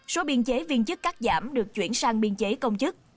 số biên chế viên chức cắt giảm được chuyển sang biên chế công chức